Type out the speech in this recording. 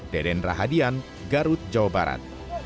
deden rahadian garut jawa barat